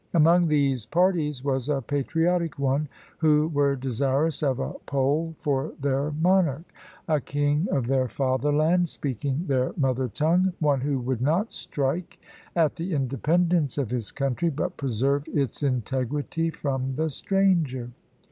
Among these parties was a patriotic one, who were desirous of a Pole for their monarch; a king of their fatherland, speaking their mother tongue, one who would not strike at the independence of his country, but preserve its integrity from the stranger.